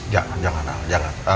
jangan jangan al jangan